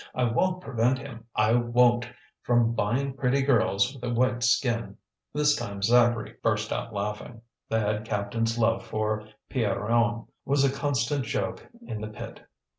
I won't prevent him, I won't, from buying pretty girls with a white skin." This time Zacharie burst out laughing. The head captain's love for Pierronne was a constant joke in the pit.